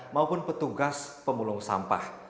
maupun petugas pembulung sampah